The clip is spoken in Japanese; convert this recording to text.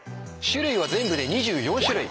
種類は全部で２４種類。